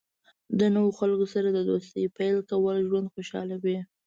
د نوو خلکو سره د دوستۍ پیل کول ژوند خوشحالوي.